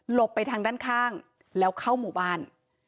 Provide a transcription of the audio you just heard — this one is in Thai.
ไปทางด้านข้างแล้วเข้าหมู่บ้าน